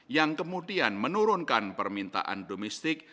yang kemudian menurunkan permintaan domestik